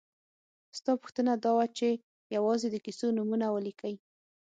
ستا پوښتنه دا وه چې یوازې د کیسو نومونه ولیکئ.